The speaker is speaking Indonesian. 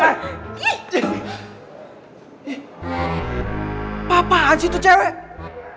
apa apaan sih itu cewek